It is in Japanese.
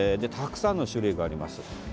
たくさんの種類があります。